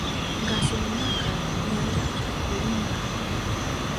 Gasolinaka ñalla tukurinka.